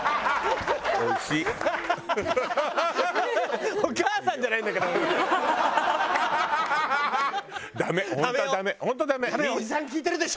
ハハハハ！